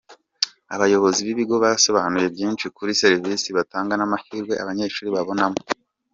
Abayobozi b'ibigo basobanuye byinshi kuri serivisi batanga n'amahirwe abanyeshuri babonamo.